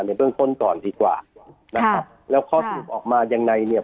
ในเบื้องข้นก่อนดีกว่าแล้วข้อสูตรออกมาอย่างในเนี่ย